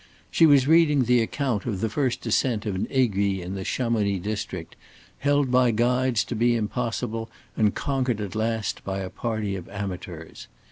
She was reading the account of the first ascent of an aiguille in the Chamonix district, held by guides to be impossible and conquered at last by a party of amateurs.